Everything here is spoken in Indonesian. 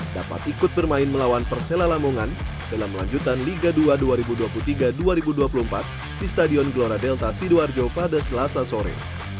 dapat ikut bermain melawan persela lamongan dalam lanjutan liga dua dua ribu dua puluh tiga dua ribu dua puluh empat di stadion gelora delta sidoarjo pada selasa sore